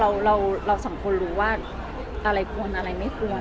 แล้วก็เราสองคนรู้ว่าอะไรปวนอะไรไม่ปวน